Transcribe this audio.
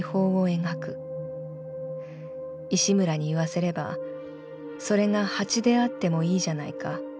石村に言わせればそれが蜂であってもいいじゃないか。